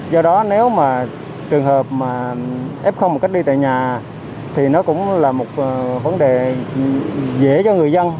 do đó nếu mà trường hợp mà f một cách đi tại nhà thì nó cũng là một vấn đề dễ cho người dân